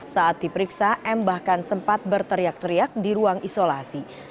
saat diperiksa m bahkan sempat berteriak teriak di ruang isolasi